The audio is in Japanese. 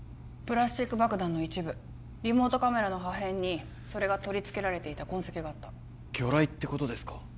プラスチック爆弾の一部リモートカメラの破片にそれが取り付けられていた痕跡があった魚雷ってことですか？